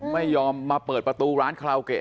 ไม่ยอมมาเปิดประตูร้านคาราโอเกะ